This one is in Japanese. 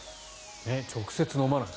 直接飲まない。